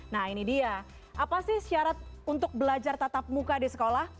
nah ini dia apa sih syarat untuk belajar tatap muka di sekolah